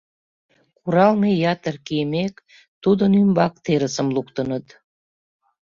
Куралме ятыр кийымек, тудын ӱмбак терысым луктыныт.